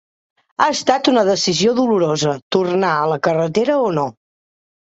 Ha estat una decisió dolorosa, tornar a la carretera o no...